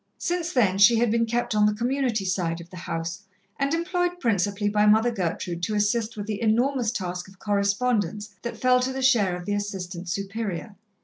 Since then, she had been kept on the Community side of the house, and employed principally by Mother Gertrude to assist with the enormous task of correspondence that fell to the share of the Assistant Superior.